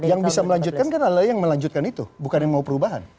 yang bisa melanjutkan kan adalah yang melanjutkan itu bukan yang mau perubahan